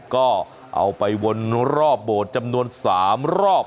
ก็เอาไปวนรอบโบสถ์จำนวน๓รอบ